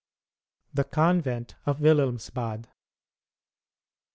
The Convent of Wilhelmsbad.